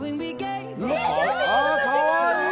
かわいい！